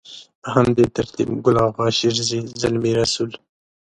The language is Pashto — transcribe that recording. په همدې ترتيب ګل اغا شېرزي، زلمي رسول.